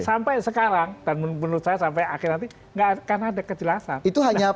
sampai sekarang dan menurut saya sampai akhir nanti nggak akan ada kejelasan